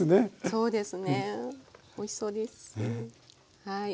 そうですねおいしそうですはい。